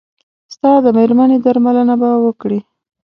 ستا د مېرمنې درملنه به وکړي.